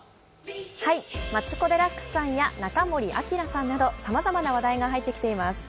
マツコ・デラックスさんや中森明菜さんやさまざまな話題が入ってきています。